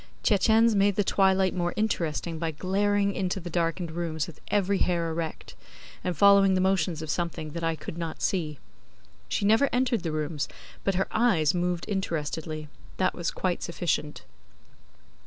Tietjens made the twilight more interesting by glaring into the darkened rooms with every hair erect, and following the motions of something that I could not see. She never entered the rooms, but her eyes moved interestedly: that was quite sufficient.